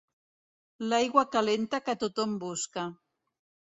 L'aigua calenta que tothom busca.